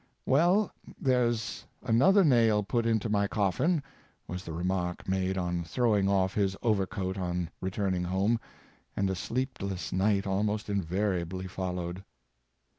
'' Well, there's another nail put into my coffin," was the remark made on throwing off his over coat on re turning home; and a sleepless night almost invariably followed.